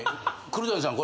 黒谷さん